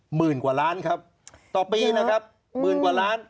หมื่นกว่าล้านครับต่อปีนะครับหมื่นกว่าล้าน